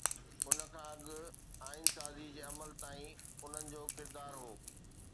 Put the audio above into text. ان کان اڳ آئين سازي جي عمل تائين انهن جو ڪردار هو.